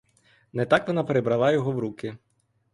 Не так вона прибрала його в руки.